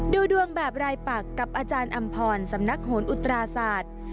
ดูดวงแบบรายปักกับอาจารย์อำพรสำนักโหนอุตราศาสตร์